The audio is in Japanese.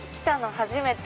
初めて。